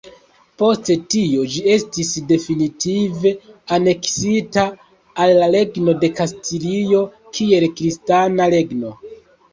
Post tio ĝi estis definitive aneksita al la Regno de Kastilio kiel kristana regno.